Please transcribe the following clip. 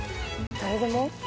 誰でも？